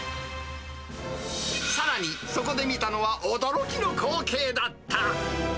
さらにそこで見たのは、驚きの光景だった。